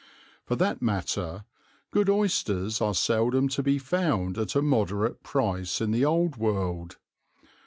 For that matter good oysters are seldom to be found at a moderate price in the old world.